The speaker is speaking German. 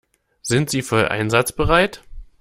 Sind Sie voll einsatzbereit?